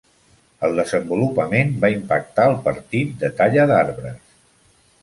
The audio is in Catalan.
El desenvolupament va impactar el partit de talla d'arbres.